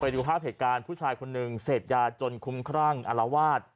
ดูภาพเหตุการณ์ผู้ชายคนหนึ่งเสพยาจนคุ้มครั่งอารวาส